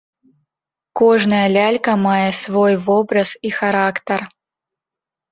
Кожная лялька мае свой вобраз і характар.